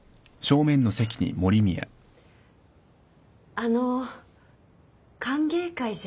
あのう歓迎会じゃ。